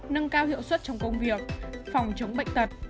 nâng cao hiệu suất trong công việc phòng chống bệnh tật